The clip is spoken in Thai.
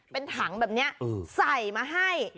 เป็นถังแบบนี้ใส่มาให้